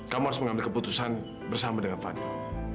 kamu harus mengambil keputusan bersama dengan fadil